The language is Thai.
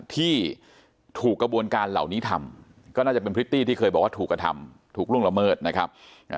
ที่ถูกกระบวนการเหล่านี้ทำก็น่าจะเป็นพริตตี้ที่เคยบอกว่าถูกกระทำถูกล่วงละเมิดนะครับ